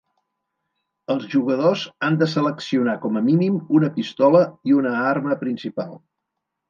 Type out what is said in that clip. Els jugadors han de seleccionar com a mínim una pistola i una arma principal.